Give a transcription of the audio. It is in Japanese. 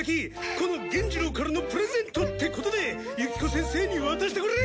この源次郎からのプレゼントってことでユキコ先生に渡してくれ！